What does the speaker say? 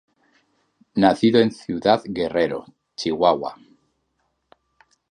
Nacido en Ciudad Guerrero, Chihuahua.